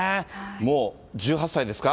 もう１８歳ですか？